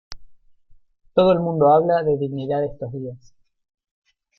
Todo el mundo habla de dignidad, estos días.